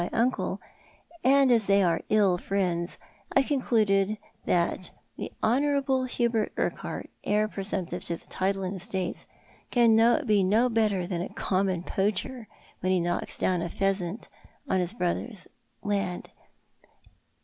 y uncle, and as they are ill friends, I concluded that the Honour able Hubert Urquhart, heir presumptive to the title and estates, can be no better than a common poacher when he knocks down a pheasant on his brother's land.